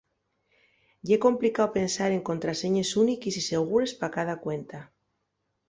Ye complicao pensar en contraseñes úniques y segures pa cada cuenta.